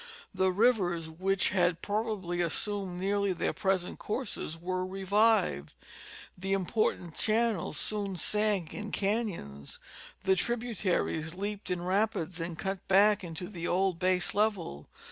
The rivers, which had probably assumed nearly their present courses, were revived ; the impor tant channels soon sank in canons, the tributaries leaped in rapids and cut back into the old base level.